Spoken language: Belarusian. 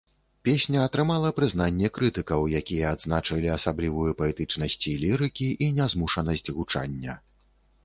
Песня атрымала прызнанне крытыкаў, якія адзначылі асаблівую паэтычнасці лірыкі і нязмушанасць гучання.